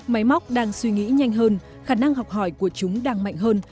máy móc đang suy nghĩ nhanh hơn khả năng học hỏi của chúng đang mạnh hơn